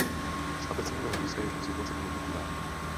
Z abecedního hlediska je však situace poněkud jiná.